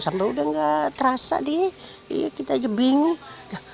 kalau udah nggak terasa kita jebing